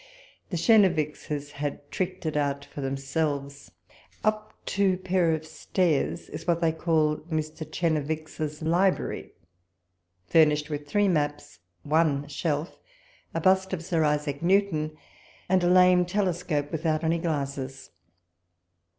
The Chenevixes had tricked it out for themselves : up two pair of stairs is what they call Mr. Chene vix's library, furnished with three maps, one shelf, a bust of Sir Isaac Newton, and a lame telescope without any glasses.